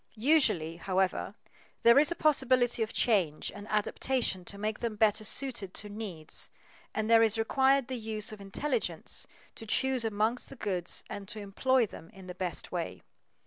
Usually, however, there is a possibility of change and adaptation to make them better suited to needs, and there is required the use of intelligence to choose among the goods and to employ them in the best way.